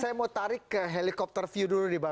saya mau tarik ke helicopter view dulu